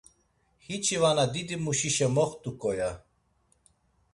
Hiçi vana didimuşişe moxt̆ok̆o, ya.